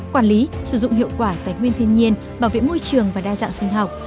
quản lý sử dụng hiệu quả tài nguyên thiên nhiên bảo vệ môi trường và đa dạng sinh học